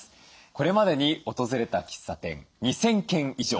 これまでに訪れた喫茶店２，０００軒以上。